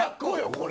これ。